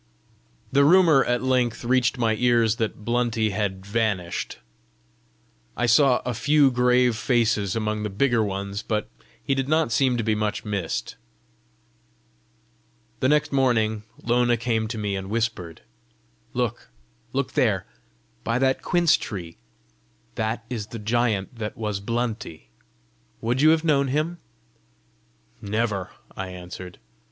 The rumour at length reached my ears that Blunty had vanished. I saw a few grave faces among the bigger ones, but he did not seem to be much missed. The next morning Lona came to me and whispered, "Look! look there by that quince tree: that is the giant that was Blunty! Would you have known him?" "Never," I answered.